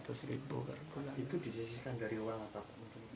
itu disisihkan dari uang apa